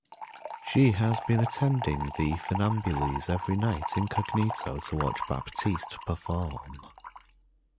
She has been attending the Funambules every night incognito to watch Baptiste perform.